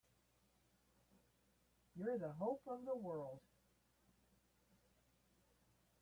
You're the hope of the world!